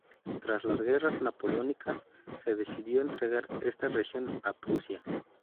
Tras las Guerras Napoleónicas, se decidió entregar esta región a Prusia.